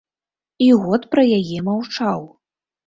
І год пра яе маўчаў.